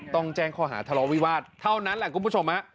ต้องแจ้งข้อหาทะเลาวิวาสเท่านั้นแหละคุณผู้ชมฮะ